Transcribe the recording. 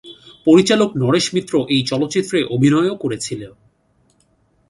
পরিচালক নরেশ মিত্র এই চলচ্চিত্রে অভিনয়ও করেছিল।